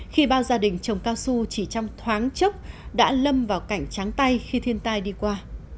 khi bao gia đình trồng cao su chỉ trong thoáng chốc đã lâm vào cảnh tráng tay khi thiên tai đi qua